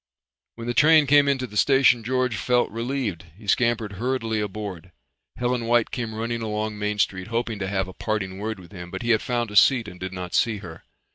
When the train came into the station George felt relieved. He scampered hurriedly aboard. Helen White came running along Main Street hoping to have a parting word with him, but he had found a seat and did not see her.